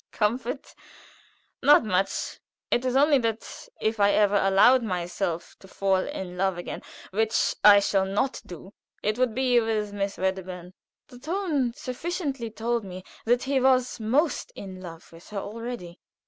"Comfort not much. It is only that if I ever allowed myself to fall in love again, which I shall not do, it would be with Miss Wedderburn." The tone sufficiently told me that he was much in love with her already.